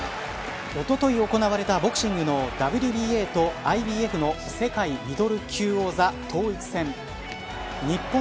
おととい行われたボクシングのＷＢＡとＩＢＦの世界ミドル級王座統一戦。